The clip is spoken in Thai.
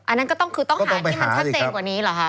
อันนั้นก็คือต้องหาที่มันชัดเศษกว่านี้หรอครับ